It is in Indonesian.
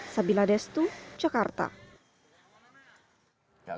sabila destu jakarta